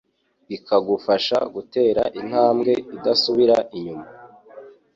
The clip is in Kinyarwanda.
bikagufasha gutera intambwe idasubira inyuma